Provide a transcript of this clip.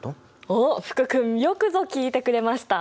おっ福君よくぞ聞いてくれました！